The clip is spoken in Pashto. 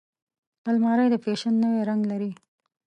الماري د فیشن نوی رنګ لري